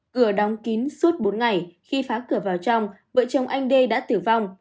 cửa đóng kín suốt bốn ngày khi phá cửa vào trong vợ chồng anh đê đã tử vong